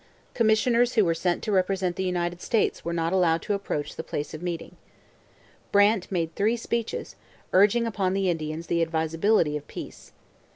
Commissioners who were sent to represent the United States were not allowed to approach the place of meeting. Brant made three speeches, urging upon the Indians the advisability of peace.